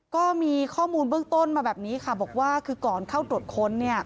ก็มีข้อมูลเบื้องต้นมาแบบนี้ค่ะบอกว่าคือก่อนเข้าตรวจค้น